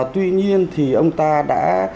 tuy nhiên thì ông ta đã